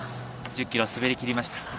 １０ｋｍ滑りきりました。